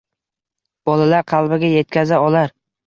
Bolalar qalbiga yetkaza olar.